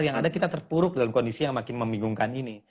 yang ada kita terpuruk dalam kondisi yang makin membingungkan ini